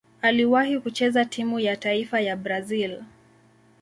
Aliwahi kucheza timu ya taifa ya Brazil.